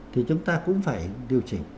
thì chúng ta cũng phải điều chỉnh